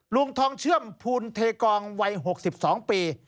ลุงทองเชื่อมภูลเทกองวัย๖๒ปี